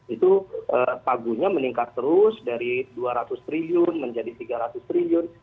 itu pagunya meningkat terus dari dua ratus triliun menjadi rp tiga ratus triliun